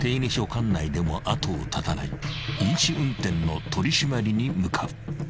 管内でも後を絶たない飲酒運転の取り締まりに向かう］